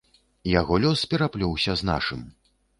Яго лёс пераплёўся з нашым.